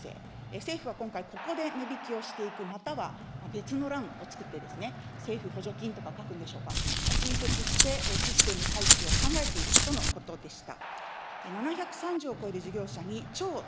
政府は今回ここで値引きをしていく、または別の欄を作ってですね、政府補助金とか書くんでしょうか、新設して、システム改修を考えているとのことでした。